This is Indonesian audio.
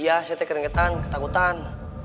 iya saya keringetan ketakutan